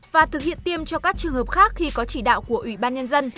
và thực hiện tiêm cho các trường hợp khác khi có chỉ đạo của ủy ban nhân dân